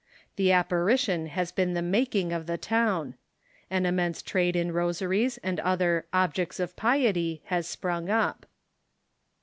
The apparition has been the making of the town. An immense trade in rosaries and other "objects of piety " has sprung up.